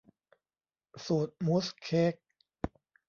สูตรมูสเค้ก